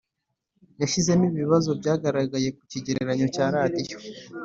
yashyizwemo Ibi bibazo byagaragaye ku kigereranyo cya radiyo